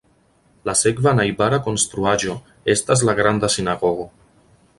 La sekva najbara konstruaĵo estas la Granda Sinagogo.